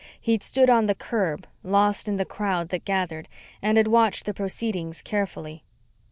He'd stood on the curb, lost in the crowd that gathered, and had watched the proceedings carefully.